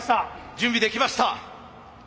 準備できました。